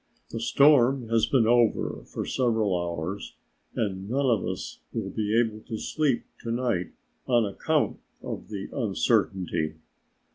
The storm has been over for several hours and none of us will be able to sleep to night on account of the uncertainty."